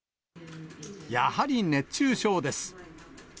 やはり熱中症です。